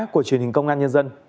của truyền hình công an nhân dân